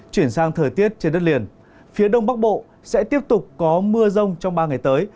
chuyển sang thời tiết trên đất liền phía đông bắc bộ sẽ tiếp tục có mưa rông trong ba ngày tới